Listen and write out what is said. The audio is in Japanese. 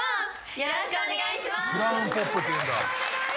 よろしくお願いします。